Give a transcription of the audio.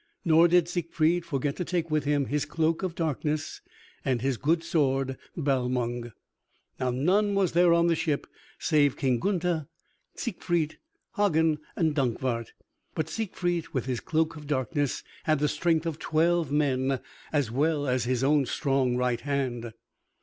Nor did Siegfried forget to take with him his Cloak of Darkness and his good sword Balmung. Now none was there on the ship save King Gunther, Siegfried, Hagen, and Dankwart, but Siegfried with his Cloak of Darkness had the strength of twelve men as well as his own strong right hand.